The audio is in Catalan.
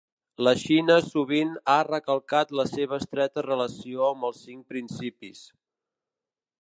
La Xina sovint a recalcat la seva estreta relació amb els Cinc Principis.